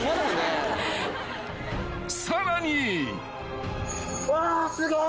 ［さらに］